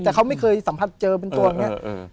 แต่เขาไม่เคยสัมผัสเจอเป็นตัวอย่างนี้